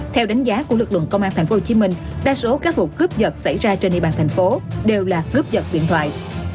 theo đánh giá của lực lượng công an thành phố hồ chí minh đa số các vụ cướp vật xảy ra trên địa bàn thành phố đều là cướp vật điện thoại